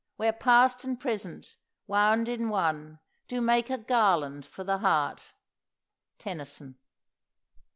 Where past and present, wound in one, Do make a garland for the heart." TENNYSON.